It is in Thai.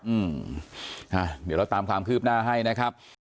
อืมอ่าเดี๋ยวเราตามความคืบหน้าให้นะครับ